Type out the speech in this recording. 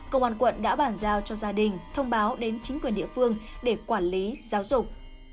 công an quận đã bàn giao cho gia đình thông báo đến chính quyền địa phương để quản lý giáo dục